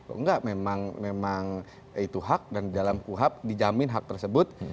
enggak memang itu hak dan di dalam kuhp dijamin hak tersebut